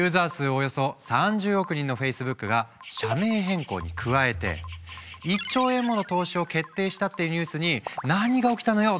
およそ３０億人のフェイスブックが社名変更に加えて１兆円もの投資を決定したっていうニュースに何が起きたのよ？